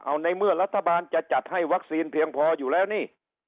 เอาในเมื่อรัฐบาลจะจัดให้วัคซีนเพียงพออยู่แล้วนี่